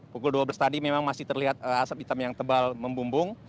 pukul dua belas tadi memang masih terlihat asap hitam yang tebal membumbung